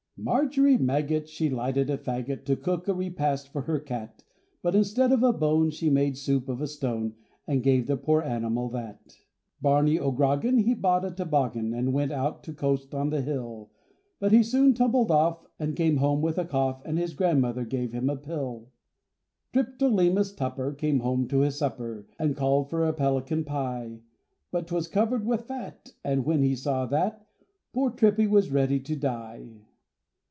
MARGERY MAGGOT, She lighted a faggot, To cook a repast for her cat. But instead of a bone, She made soup of a stone, And gave the poor animal that. Barney O'Groggan, He bought a toboggan, And went out to coast on the hill. But he soon tumbled off, And came home with a cough, And his grandmother gave him a pill. Triptolemus Tupper, Came home to his supper, And called for a pelican pie. But 'twas covered with fat, And when he saw that, Poor Trippy was ready to die.